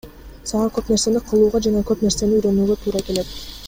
Сага көп нерсени кылууга жана көп нерсени үйрөнүүгө туура келет.